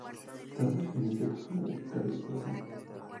Somers inició tocando la guitarra a los doce años.